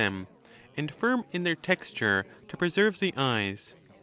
them, and firm in their texture, to preserve the eyes.